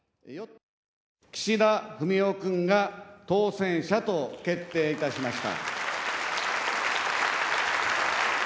岸田文雄くんが当選者と決定いたしました。